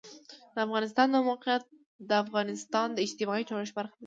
د افغانستان د موقعیت د افغانستان د اجتماعي جوړښت برخه ده.